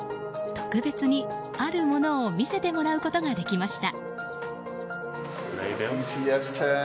特別にあるものを見せてもらうことができました。